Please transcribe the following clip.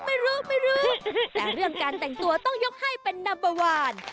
แต่เรื่องการแต่งตัวต้องยกให้เป็นนัมเบอร์วัน